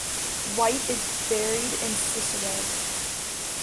White is buried in Cicero.